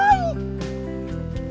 siang dulu ma